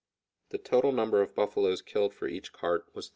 The total number of buffaloes killed for each cart was 39.